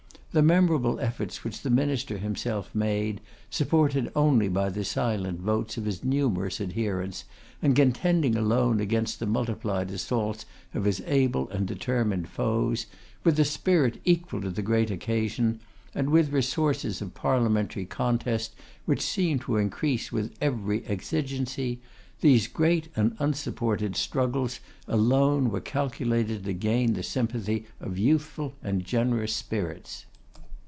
The memorable efforts which the Minister himself made, supported only by the silent votes of his numerous adherents, and contending alone against the multiplied assaults of his able and determined foes, with a spirit equal to the great occasion, and with resources of parliamentary contest which seemed to increase with every exigency; these great and unsupported struggles alone were calculated to gain the sympathy of youthful and generous spirits.